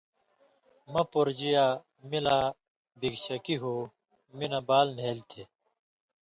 مہ پورژیا می لا بِگ شکی ہُو، می نہ بال نھېلیۡ تھی۔